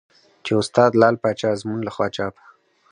چې استاد لعل پاچا ازمون له خوا چاپ